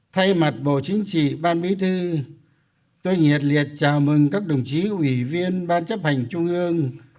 thay mặt bộ chính trị ban bí thư tôi nhiệt liệt chào mừng các đồng chí ủy viên ban chấp hành trung ương